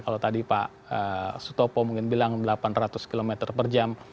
kalau tadi pak sutopo mungkin bilang delapan ratus km per jam